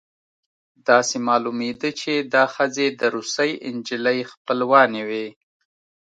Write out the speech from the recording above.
داسې معلومېده چې دا ښځې د روسۍ نجلۍ خپلوانې وې